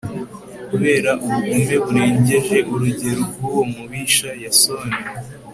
kubera ubugome burengeje urugero bw'uwo mubisha yasoni